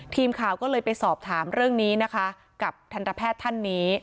ทีมข่าวก็เลยไปสอบถามเรื่องนี้นะคะกับทันตแพทย์ท่านนี้